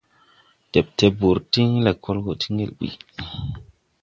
Dɛpte bɔr tiŋ lɛkɔl gɔ ti ŋgel ɓuy.